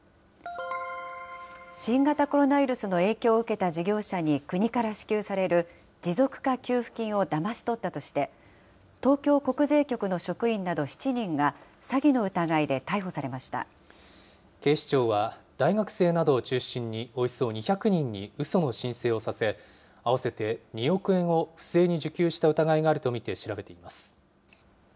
新型コロナウイルスの影響を受けた事業者に国から支給される持続化給付金をだまし取ったとして、東京国税局の職員など７人が、警視庁は大学生などを中心に、およそ２００人にうその申請をさせ、合わせて２億円を不正に受給した疑いがあると見て調べています。